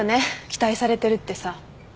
期待されてるってさ。